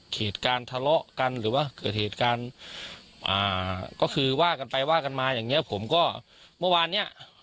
เหตุการณ์ทะเลาะกันหรือว่าเกิดเหตุการณ์ก็คือว่ากันไปว่ากันมาอย่างเงี้ยผมก็เมื่อวานเนี้ย